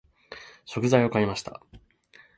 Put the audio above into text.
食材を買いました。